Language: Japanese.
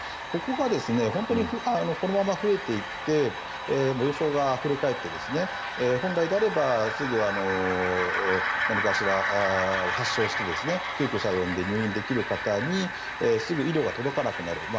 ここが本当にこのまま増えていって病床があふれ返って本来であればすぐ、何かしら発症して救急車を呼んで入院できる方にすぐ医療が届かなくなる。